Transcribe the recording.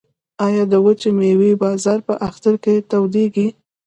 آیا د وچې میوې بازار په اختر کې تودیږي؟